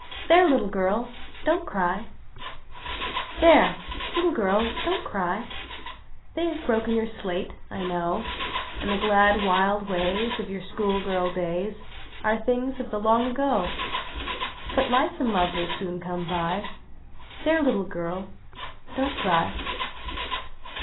There ! little girl ; don t cry ! There ! little girl ; don t cry ! They have broken your slate. 1 know ; And the glad, wild ways Of your school girl days Are things of the long ago ; But life and love will soon come by. There ! little girl ; don t cry